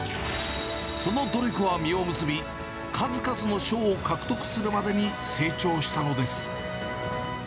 その努力は実を結び、数々の賞を獲得するまでに成長したのです。